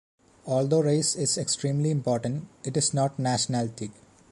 Although race is extremely important, it is not nationality.